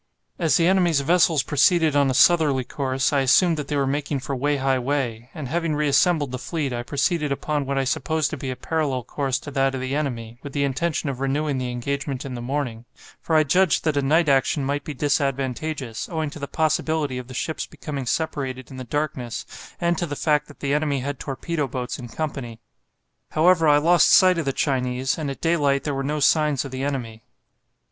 As the enemy's vessels proceeded on a southerly course, I assumed that they were making for Wei hai wei; and having reassembled the fleet, I proceeded upon what I supposed to be a parallel course to that of the enemy, with the intention of renewing the engagement in the morning, for I judged that a night action might be disadvantageous, owing to the possibility of the ships becoming separated in the darkness, and to the fact that the enemy had torpedo boats in company. However, I lost sight of the Chinese, and at daylight there were no signs of the enemy."